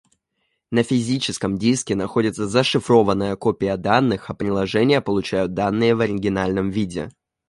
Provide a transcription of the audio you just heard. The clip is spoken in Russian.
На физическом диске находится зашифрованная копия данных, а приложения получают данные в оригинальном виде